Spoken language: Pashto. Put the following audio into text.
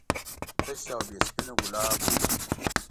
تش او بې سپینو ګلابو و.